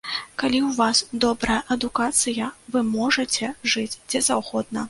Калі ў вас добрая адукацыя, вы можаце жыць дзе заўгодна.